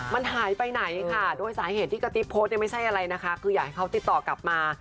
แสดงว่าขั้นตอนตรงต่างจะมีปัญหา